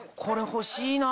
これ欲しい。